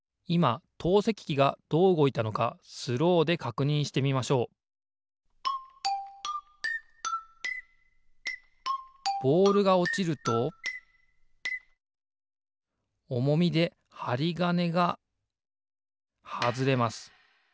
いま投石機がどううごいたのかスローでかくにんしてみましょうボールがおちるとおもみではりがねがはずれます。